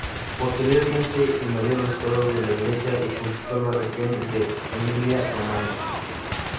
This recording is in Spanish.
Posteriormente invadió los Estados de la Iglesia y conquistó la región de Emilia-Romaña.